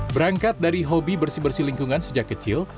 berangkat dari hobi bersih bersih lingkungan sejak kecil